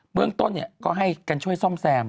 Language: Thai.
เรื่องต้นก็ให้กันช่วยซ่อมแซม